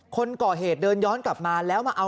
คนก่อเหตุเดินย้อนกลับมาแล้วมาเอา